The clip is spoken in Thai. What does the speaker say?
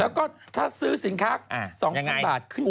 แล้วก็ถ้าซื้อสินค้า๒๐๐๐บาทขึ้น